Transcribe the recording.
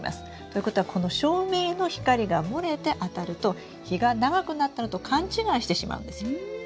ということはこの照明の光が漏れてあたると日が長くなったのと勘違いしてしまうんですよ。